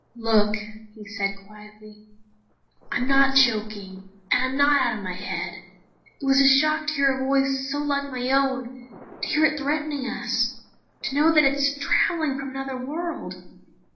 "Look," he said quietly. "I'm not joking and I'm not out of my head. It was a shock to hear a voice so like my own, to hear it threaten us, to know that it's traveling from another world.